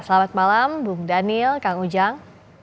selamat malam bung daniel kang ujang